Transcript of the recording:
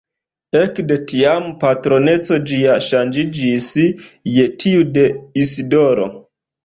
Ekde tiam patroneco ĝia ŝanĝiĝis je tiu de Isidoro.